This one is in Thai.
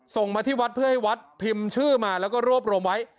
ส่งมาที่วัดเพื่อให้วัดพิมพ์ชื่อมาแล้วก็รวบรวมไว้